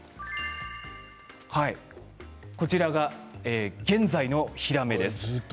こちらが現在のヒラメです。